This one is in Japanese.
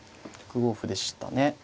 ６五歩でしたね。